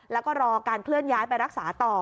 แล้วก็รอการเคลื่อนย้ายไปรักษาต่อ